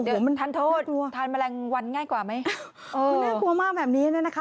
เดี๋ยวมันทานโทษทานแมลงวันง่ายกว่าไหมเออน่ากลัวมากแบบนี้เนี่ยนะคะ